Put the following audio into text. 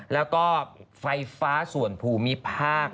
แล้วก็ไฟฟ้าส่วนภูมิภาค